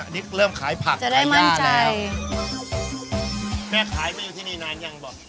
นี่เริ่มขายผักขายย่าแล้วแม่ขายมาอยู่ที่นี่นานยังบอก